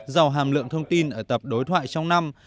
giàu hàm lượng thông tin ở tập đối thoại trong năm